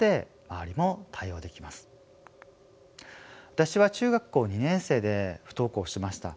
私は中学校２年生で不登校しました。